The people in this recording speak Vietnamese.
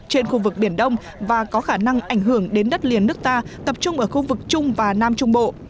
trên khu vực biển đông và có khả năng ảnh hưởng đến đất liền nước ta tập trung ở khu vực trung và nam trung bộ